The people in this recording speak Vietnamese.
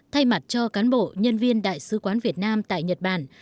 thay mặt cho cán bộ nhân viên đại sứ quán việt nam tại nhật bản